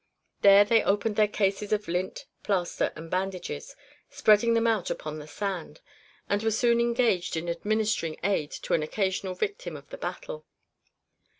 There they opened their cases of lint, plaster and bandages, spreading them out upon the sand, and were soon engaged in administering aid to an occasional victim of the battle.